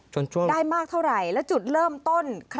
สนุนโดยอีซุสุข